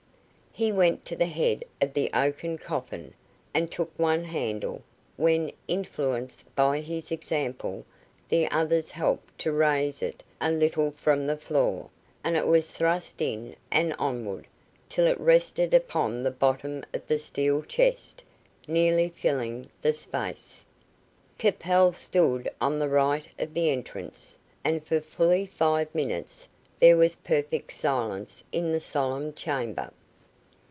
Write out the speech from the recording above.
He went to the head of the oaken coffin, and took one handle, when, influenced by his example, the others helped to raise it a little from the floor, and it was thrust in and onward, till it rested upon the bottom of the steel chest, nearly filling the space. Capel stood on the right of the entrance, and for fully five minutes there was perfect silence in the solemn chamber.